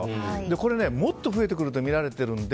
これ、もっと増えてくるとみられているので。